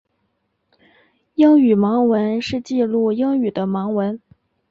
英语盲文是记录英语的盲文。